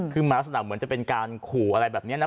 ขึ้นมาสนับเหมือนจะเป็นการขู่อะไรแบบนี้นะ